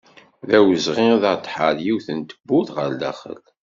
D awezɣi ad aɣ-d-tḥerr yiwet tewwurt ɣer daxel.